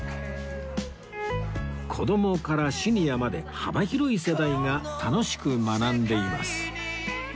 子供からシニアまで幅広い世代が楽しく学んでいます